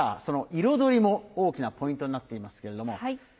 その彩りも大きなポイントになっていますけれども。